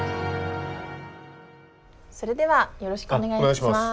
それではよろしくお願いします。